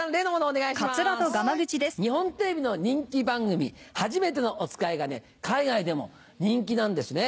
日本テレビの人気番組『はじめてのおつかい』が海外でも人気なんですね。